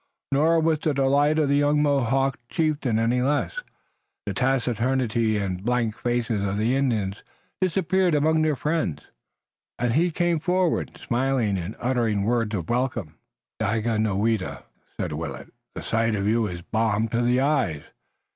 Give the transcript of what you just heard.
Nor was the delight of the young Mohawk chieftain any less the taciturnity and blank faces of Indians disappeared among their friends and he came forward, smiling and uttering words of welcome. "Daganoweda," said Willet, "the sight of you is balm to the eyes.